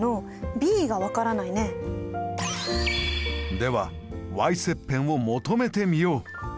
では切片を求めてみよう！